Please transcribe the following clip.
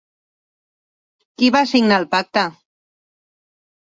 Qui va signar el pacte?